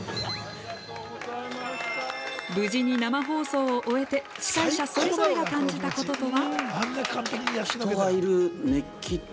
無事に生放送を終えて司会者それぞれが感じたこととは？